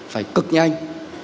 phải cực nhanh